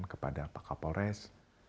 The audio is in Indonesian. kepada pak kapolres